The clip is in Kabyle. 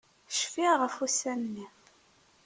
Cfiɣ ɣef ussan-nni.